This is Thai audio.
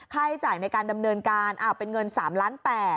ให้จ่ายในการดำเนินการเป็นเงิน๓ล้าน๘